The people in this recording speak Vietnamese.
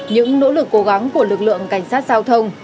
những nỗ lực cố gắng của lực lượng cảnh sát giao thông